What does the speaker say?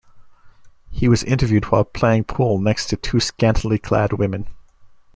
He was interviewed while playing pool next to two scantily clad women.